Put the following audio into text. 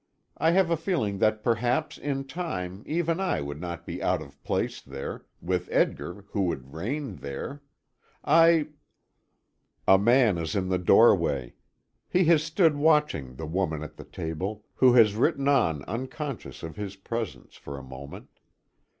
I have a feeling that perhaps, in time, even I would not be out of place there with Edgar who would reign there. I A man is in the doorway. He has stood watching the woman at the table, who has written on unconscious of his presence, for a moment.